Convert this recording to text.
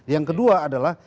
yang kedua adalah